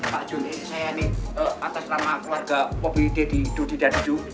pak jun ini saya nih atas nama keluarga mobil dedi dudi dan jun